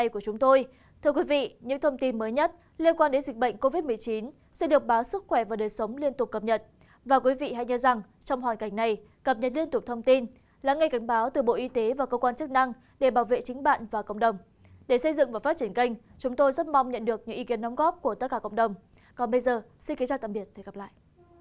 còn bây giờ xin kính chào tạm biệt và hẹn gặp lại